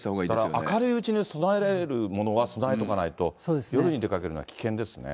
明るいうちに備えられるものは備えておかないと、夜に出かけるのは危険ですね。